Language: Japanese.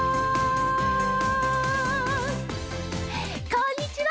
こんにちは！